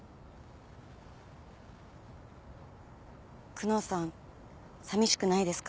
久能さんさみしくないですか？